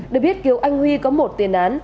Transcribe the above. để biết kiều anh huy có một tiền án